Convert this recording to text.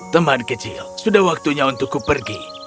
teman kecil sudah waktunya untukku pergi